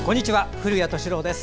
古谷敏郎です。